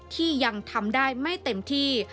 ที่ยังทำได้ไม่เต็มที่